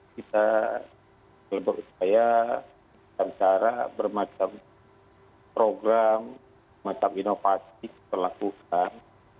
kita berusaha dan cara bermacam program macam inovasi telah kita lakukan